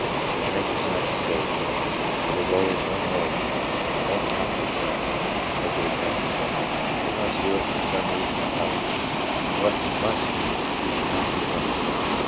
The drink is necessary to him, it is always one more and " I won't count this time," because it is necessary. He must do it for some reason or other, and what he MUST do he cannot be blamed for.